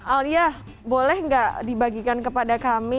alia boleh nggak dibagikan kepada kami